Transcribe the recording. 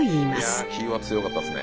いや気は強かったですね。